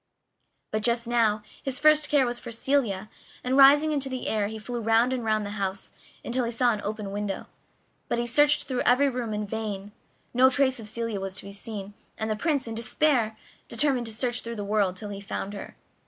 But just now his first care was for Celia, and rising into the air he flew round and round the house, until he saw an open window; but he searched through every room in vain. No trace of Celia was to be seen, and the Prince, in despair, determined to search through the world till he found her.